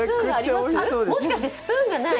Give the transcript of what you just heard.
もしかしてスプーンがない？